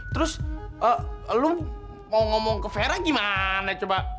terus ee lu mau ngomong ke vera gimana coba